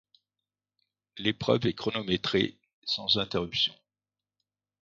L'épreuve est chronométrée sans interruption.